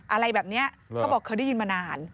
อะไรแบบนี้เขาบอกเคยได้ยินมานาน